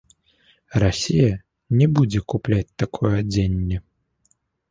Расія не будзе купляць такое адзенне.